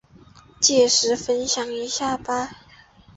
届时分享一下吧